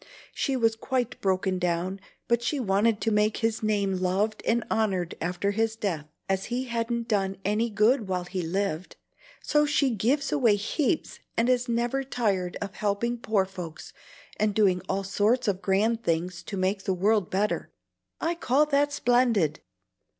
She was quite broken down, but she wanted to make his name loved and honored after his death, as he hadn't done any good while he lived; so she gives away heaps, and is never tired of helping poor folks and doing all sorts of grand things to make the world better. I call that splendid!"